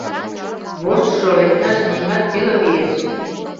Воштшо лекташ меҥгат пеле лиеш.